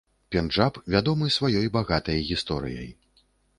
Пенджаб вядомы сваёй багатай гісторыяй.